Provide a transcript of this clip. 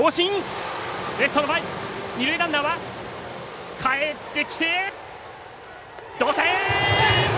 二塁ランナーかえってきて同点！